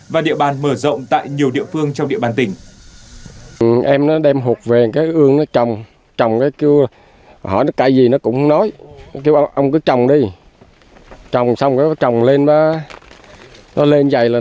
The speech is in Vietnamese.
và địa bàn mở rộng tại nhiều địa phương trong địa bàn tỉnh